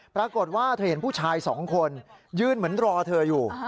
ปรากฏว่าเธอเห็นผู้ชายสองคนยืนเหมือนรอเธออยู่